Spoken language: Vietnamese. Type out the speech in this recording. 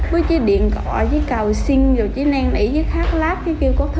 với cái điện cọ với cào xinh rồi cái nang nỉ với khát lát cái kêu có thứ